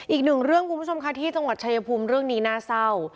อีกหนึ่งเรื่องคุณผู้ชมค่ะที่จังหวัดชายภูมิเรื่องนี้น่าเศร้า